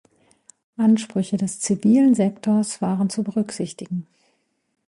Ansprüche des zivilen Sektors waren zu berücksichtigen.